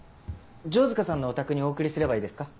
城塚さんのお宅にお送りすればいいですか？